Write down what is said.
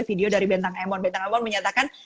video dari bintang emon bintang emon menyatakan